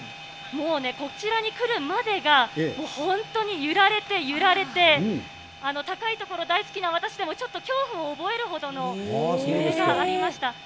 もうね、こちらに来るまでが、もう本当に揺られて揺られて、高い所大好きな私でも、ちょっと恐怖を覚えるほどの揺れがありました。